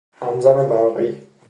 همزن برقی